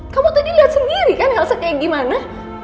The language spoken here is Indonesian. kamu tadi liat sendiri kan elsa kayak gimana